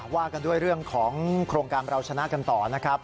ว่ากันด้วยเรื่องของโครงการเราชนะกันต่อนะครับ